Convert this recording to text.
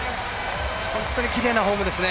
本当にきれいなフォームですね。